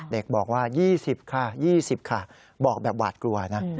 เด็กบอกว่า๒๐ค่ะ๒๐ค่ะบอกแบบหวาดกลัวนะ